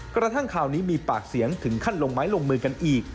กระทั่งคราวนี้มีปากเสียงถึงขั้นลงไม้ลงมือกันอีก